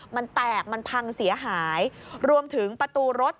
มันแตกมันพังเสียหายรวมถึงประตูรถ